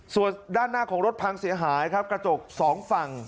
ส่วนด้านหน้าของรถพังเสียหายครับกระจกสองฝั่ง